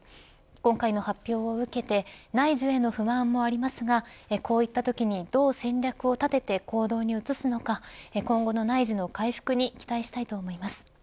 今回の発表を受けて内需への不満もありますがこういったときにどう戦略を立てて行動に移すのか今後の内需の回復に期待したいと思います。